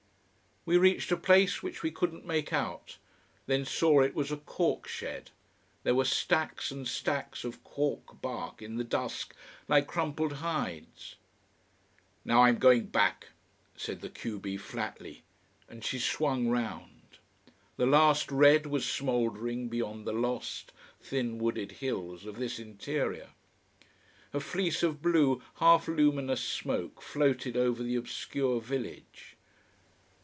We reached a place which we couldn't make out: then saw it was a cork shed. There were stacks and stacks of cork bark in the dusk, like crumpled hides. "Now I'm going back," said the q b flatly, and she swung round. The last red was smouldering beyond the lost, thin wooded hills of this interior. A fleece of blue, half luminous smoke floated over the obscure village.